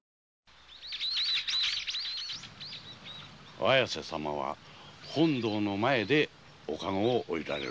綾瀬様は本堂の前でカゴをおりられる。